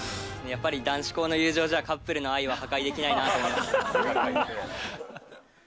やっぱり、男子校の友情じゃ、カップルの愛は破壊できないなと思いました。